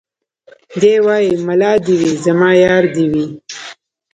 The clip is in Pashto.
دی وايي ملا دي وي زما يار دي وي